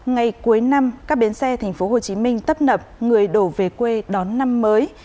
ngày cuối năm các bến xe tp hcm tấp nập người đổ về quê đón năm mới